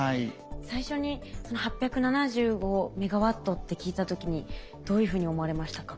最初にその８７５メガワットって聞いた時にどういうふうに思われましたか？